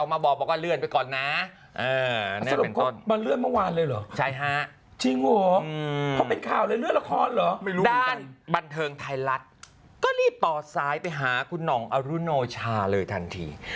ซะหรือไม่รู้อีกท่านด้านบันเทิงไทยรัฐก็รีบตอดซ้ายไปหาคุณน้องอรุโนชาเลยทันที